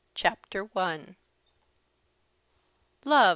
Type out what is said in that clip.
CHAPTER I. "Love!